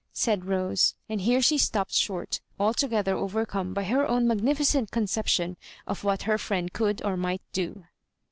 " said Rose ; and here she stopped short, altogether overcome by her own magnificent con ception of what her friend could or might do.